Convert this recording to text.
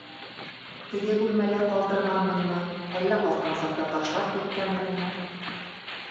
Теге бүлмәлә ҡалдырғанмынмы, әллә ҡасҡан саҡта ташлап киткәнменме?